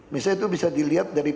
misalnya itu bisa dilihat dari